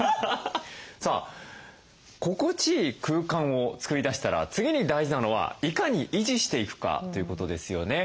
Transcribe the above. さあ心地いい空間を作り出したら次に大事なのはいかに維持していくかということですよね。